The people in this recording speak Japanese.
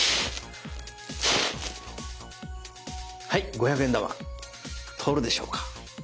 はい五百円玉通るでしょうか？